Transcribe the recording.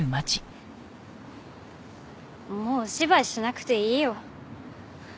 もうお芝居しなくていいよ。